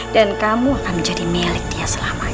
dan kamu akan menjadi milik dia selamanya